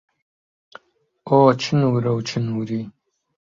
ئۆ چنوورە و چنووری